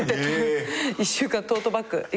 １週間トートバッグ１個で。